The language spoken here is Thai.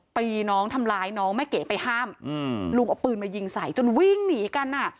ตีน้องทำร้ายน้องแม่เก๋ไปห้ามอืมลุงเอาปืนมายิงใส่จนวิ่งหนีกันอ่ะ